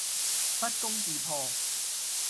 不攻自破